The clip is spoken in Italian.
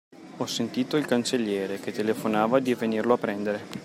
Ho sentito il cancelliere, che telefonava di venirlo a prendere.